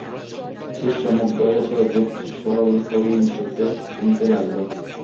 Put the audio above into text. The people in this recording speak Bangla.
শিষ্য মুগ্ধ হইয়া সে অদ্ভুত স্বরলহরী নিঃশব্দে শুনিতে লাগিল।